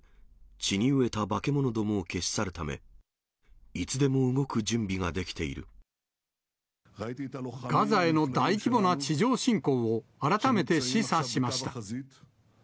血に飢えた化け物どもを消し去るため、ガザへの大規模な地上侵攻を改めて示唆しました。